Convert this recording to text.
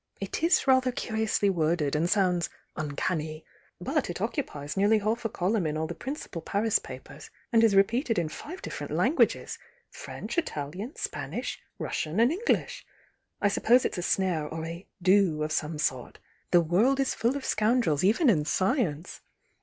It is rather curiously worded and sounds 'uncanny!' But it oc cupies nearly half a column in all the prmcipal Paris papers and is repeated in five d'.fFerent lan guages,— French, Italian, Spanisn, Russian and Endish. I suppose it's a snare or a 'do of some sort. The world is full of scoundrels, even in science!